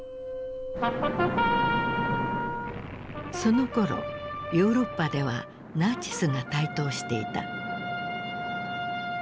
そのころヨーロッパではナチスが台頭していた。